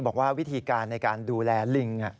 บอกว่าวิธีการในการดูแลลิง